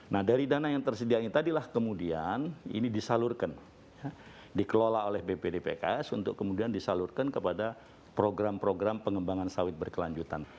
nah dari dana yang tersedia ini tadilah kemudian ini disalurkan dikelola oleh bpdpks untuk kemudian disalurkan kepada program program pengembangan sawit berkelanjutan